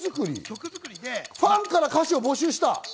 ファンから歌詞を募集した。